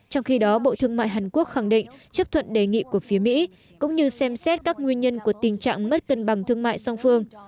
trong khi đó bộ thương mại hàn quốc khẳng định chấp thuận đề nghị của phía mỹ cũng như xem xét các nguyên nhân của tình trạng mất cân bằng thương mại song phương